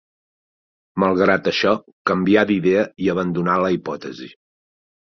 Malgrat això, canvià d'idea i abandonà la hipòtesi.